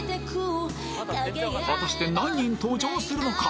果たして何人登場するのか？